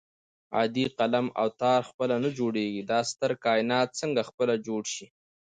عادي قلم او تار خپله نه جوړېږي دا ستر کائنات څنګه خپله جوړ شي